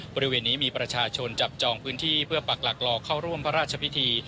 บริเวณนี้มีประชาชนจับจองพื้นที่เพื่อปักหลักรอเข้าร่วมพระราชพิธี